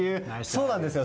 そうなんですよ！